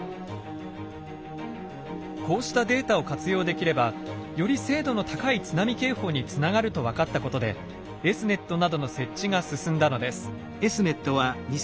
こうしたデータを活用できればより精度の高い津波警報につながると分かったことでＳ−ｎｅｔなどの設置が進んだのです。